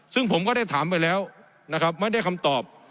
ซึ่งผมก็ได้ถามไปแล้วนะครับไม่ได้คำตอบ